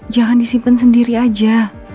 jangan disimpen sendiri aja